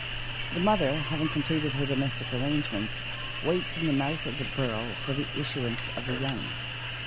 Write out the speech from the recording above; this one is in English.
The mother, having completed her do mestic arrangements, waits in the mouth of the burrow for the issuance of the young.